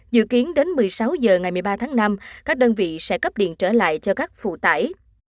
dự kiến đến một mươi sáu h ngày một mươi ba tháng năm các đơn vị sẽ cấp điện trở lại cho các phụ tải